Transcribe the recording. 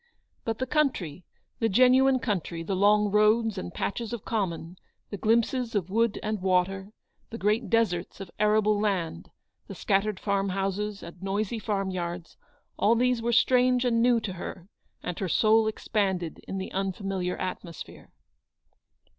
But the country, the genuine country, the long roads and patches of common, the glimpses of wood and water, the great deserts of arable land, the scattered farm houses, and noisy farm yards ; all these were strange and new to her, and her soul expanded in the unfamiliar atmo sphere.